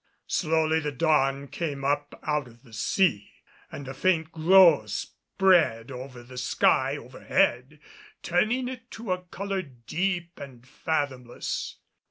Slowly the dawn came up out of the sea, and a faint glow spread over the sky overhead, turning it to a color deep and fathomless.